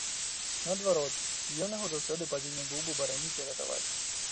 Наадварот, ён яго заўсёды павінен быў бы бараніць і ратаваць.